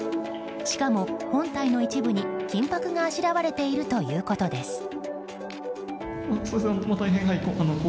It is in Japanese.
しかも本体の一部に金箔があしらわれてるということです。